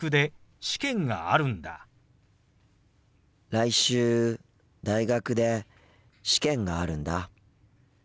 来週大学で試験があるんだ。